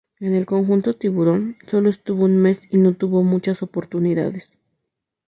En el conjunto "Tiburón", solo estuvo un mes y no tuvo muchas oportunidades.